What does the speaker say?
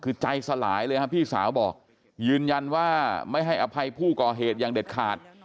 คือใจสลายเลยครับพี่สาวบอกยืนยันว่าไม่ให้อภัยผู้ก่อเหตุอย่างเด็ดขาด